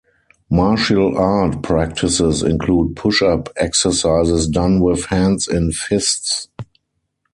Martial art practices include push-up exercises done with hands in fists.